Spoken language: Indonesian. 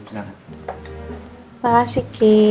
terima kasih kiki